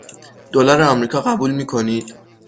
دلار آمریکا قبول می کنید؟